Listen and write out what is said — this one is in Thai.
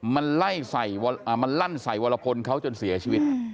มันไล่มันลั่นใส่วรพลเขาจนเสียชีวิต